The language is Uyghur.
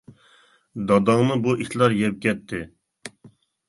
داداڭنى بۇ ئىتلار يەپ كەتتى!